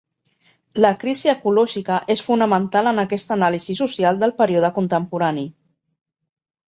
La crisi ecològica és fonamental en aquesta anàlisi social del període contemporani.